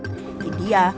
india indonesia dan indonesia